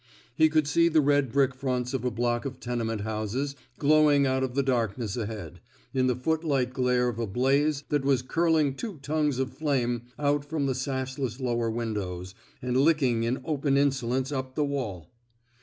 He could see the red brick fronts of a block of tenement houses glowing out of the darkness ahead, in the footlight glare of a blaze that was curling two tongues of flame out from the sashless lower windows and licking in open insolence up the wall.